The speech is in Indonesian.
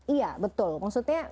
iya betul maksudnya